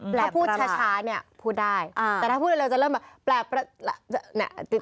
แปลกประหลาดถ้าพูดช้าพูดได้แต่ถ้าพูดเร็วจะเริ่มแปลกประหลาด